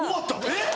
えっ？